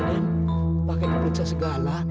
dan pakai kebunca segala